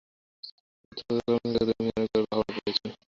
উচ্চপদস্থ কর্মকর্তাদের থেকে তুমি অনেক বাহবা পেয়েছো।